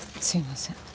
すいません